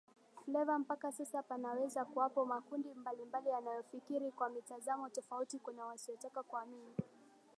Fleva Mpaka sasa panaweza kuwapo makundi mbalimbali yanayofikiri kwa mitazamo tofauti Kuna wasiotaka kuamini